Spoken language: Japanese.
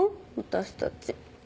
私たち。